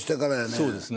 そうですね。